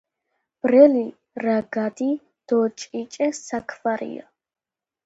ბრელი რაგადი დო ჭიჭე საქვარია